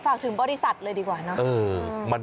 ฝากถึงบริษัทเลยดีกว่าเนอะ